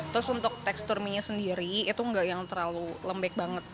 terus untuk teksturnya sendiri itu gak yang terlalu lembek banget